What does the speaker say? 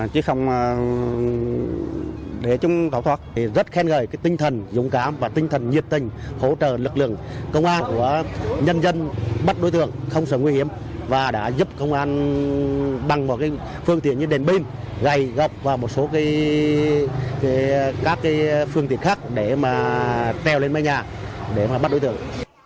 công an của nhân dân bắt đối tượng không sợ nguy hiểm và đã giúp công an băng vào phương tiện như đèn pin gầy gọc và một số các phương tiện khác để mà teo lên mấy nhà để mà bắt đối tượng